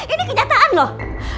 ini kenyataan loh